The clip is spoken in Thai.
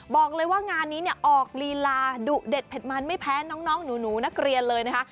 บอกเลยว่างานนี้เนี่ยออกลีลาดุเด็ดเผ็ดมันไม่แพ้น้องหนูนักเรียนเลยนะคะ